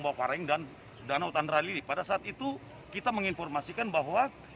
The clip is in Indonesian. bawakaraeng dan danau tandralili pada saat itu kita menginformasikan bahwa kondisi cuaca